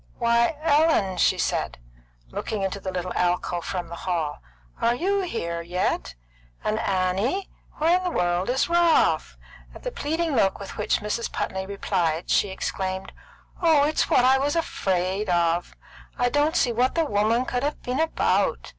"Why, Ellen!" she said, looking into the little alcove from the hall. "Are you here yet? And Annie! Where in the world is Ralph?" At the pleading look with which Mrs. Putney replied, she exclaimed: "Oh, it's what I was afraid of! I don't see what the woman could have been about!